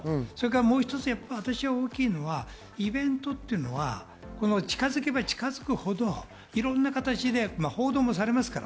もう一つ大きいのは、イベントというのは近づけば近づくほどいろんな形で報道もされますから。